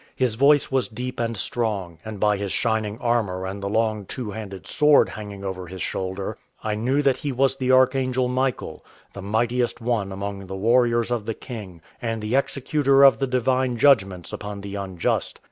His voice was deep and strong, and by his shining armour and the long two handed sword hanging over his shoulder I knew that he was the archangel Michael, the mightiest one among the warriors of the King, and the executor of the divine judgments upon the unjust.